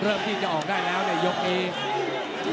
เริ่มที่จะออกได้แล้วในยกนี้